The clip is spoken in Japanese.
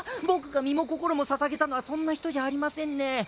僕が身も心も捧げたのはそんな人じゃありませんね。